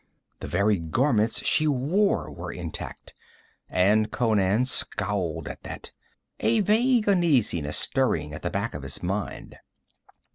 The very garments she wore were intact and Conan scowled at that, a vague uneasiness stirring at the back of his mind.